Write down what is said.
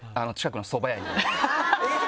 えっ！